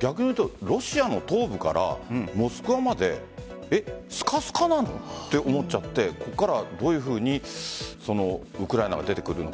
逆にロシアの東部からモスクワまでスカスカなのと思っちゃって港からどういうふうにウクライナが出てくるのか